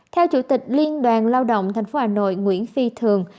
theo chủ tịch liên đoàn lao động tp hà nội nguyễn phi thường